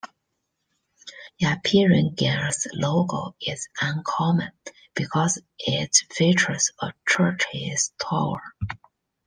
Ypiranga's logo is uncommon, because it features a church's tower.